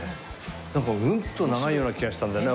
なんかうんと長いような気がしたんだよね。